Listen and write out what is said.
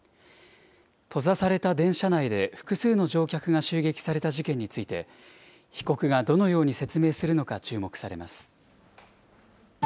閉ざされた電車内で複数の乗客が襲撃された事件について、被告がどのように説明するのか注目されます。